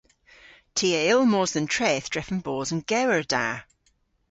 Ty a yll mos dhe'n treth drefen bos an gewer da.